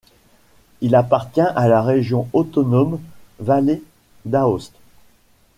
Il appartient à la région autonome Vallée d'Aoste.